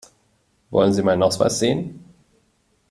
Wollen Sie meinen Ausweis sehen?